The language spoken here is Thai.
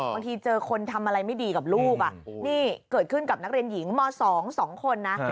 บางทีเจอคนทำอะไรไม่ดีกับลูกนี่เกิดขึ้นกับนักเรียนหญิงม๒๒คนนะ